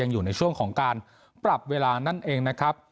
อยู่ในช่วงของการปรับเวลานั่นเองนะครับ